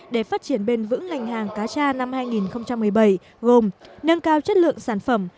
để phát triển bền vững ngành hàng cá tra năm hai nghìn một mươi bảy gồm nâng cao chất lượng sản phẩm